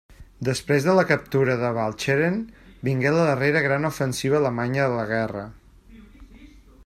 Després de la captura de Walcheren vingué la darrera gran ofensiva alemanya de la guerra.